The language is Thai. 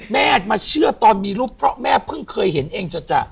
แม่มาเชื่อตอนมีรูปเพราะแม่เพิ่งเคยเห็นเองจัด